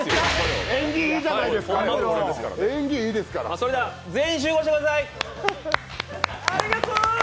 それでは全員集合してください。